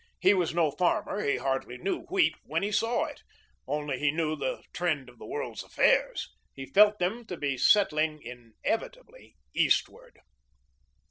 He was no farmer, he hardly knew wheat when he saw it, only he knew the trend of the world's affairs; he felt them to be setting inevitably eastward.